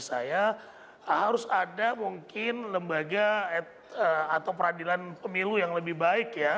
saya harus ada mungkin lembaga atau peradilan pemilu yang lebih baik ya